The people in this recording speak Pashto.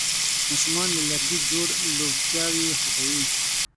ماشومان له لرګي جوړ لوبتیاوې خوښوي.